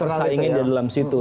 persaingan di dalam situ